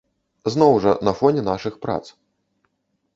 Зноў жа, на фоне нашых прац.